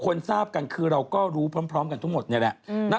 ทราบกันคือเราก็รู้พร้อมกันทั้งหมดนี่แหละ